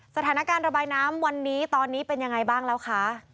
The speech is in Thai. สถานการณ์ระบายน้ำตอนนี้เป็นอย่างไรบ้างแล้วคะ